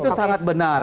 itu sangat benar